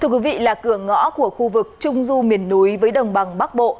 thưa quý vị là cửa ngõ của khu vực trung du miền núi với đồng bằng bắc bộ